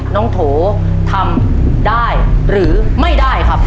โถทำได้หรือไม่ได้ครับ